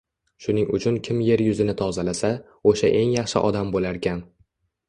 Shuning uchun kim yer yuzini tozalasa, o‘sha eng yaxshi odam bo‘larkan.